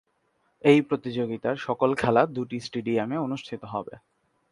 এই প্রতিযোগিতার সকল খেলা দুটি স্টেডিয়ামে অনুষ্ঠিত হবে।